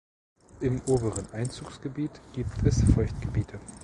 Im oberen Einzugsgebiet gibt es Feuchtgebiete.